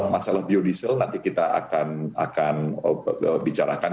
masalah biodiesel nanti kita akan bicarakan